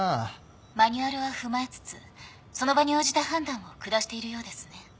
マニュアルは踏まえつつその場に応じた判断を下しているようですね。